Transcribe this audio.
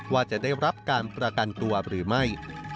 ว่าจะได้รับการประกันตัวหรือไม่